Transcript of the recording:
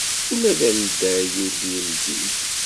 Ula d alday ur t-yeldiy.